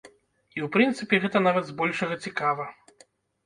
І, у прынцыпе, гэта нават збольшага цікава.